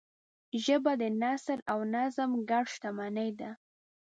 ژبه د نثر او نظم ګډ شتمنۍ ده